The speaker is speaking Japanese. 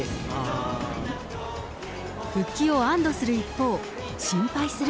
復帰を安どする一方、心配す